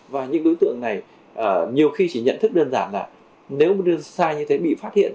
và những đối tượng này nhiều khi chỉ nhận thức đơn giản là nếu sai như thế bị phát hiện